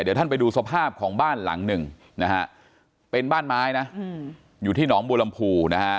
เดี๋ยวท่านไปดูสภาพของบ้านหลังหนึ่งนะฮะเป็นบ้านไม้นะอยู่ที่หนองบัวลำพูนะฮะ